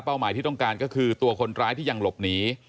หมายที่ต้องการก็คือตัวคนร้ายที่ยังหลบหนี